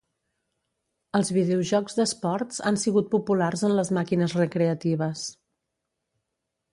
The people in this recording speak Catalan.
Els videojocs d'esports han sigut populars en les màquines recreatives.